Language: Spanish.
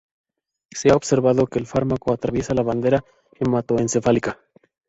Se ha observado que el fármaco atraviesa la barrera hematoencefálica.